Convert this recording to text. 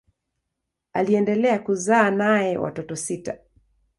Aliendelea kuzaa naye watoto sita.